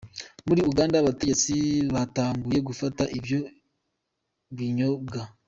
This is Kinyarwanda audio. Muri Uganda abategetsi batanguye gufata ivyo binyobwa.